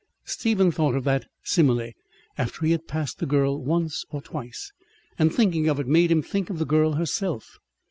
Stephen thought of that simile after he had passed the girl once or twice, and thinking of it made him think of the girl herself.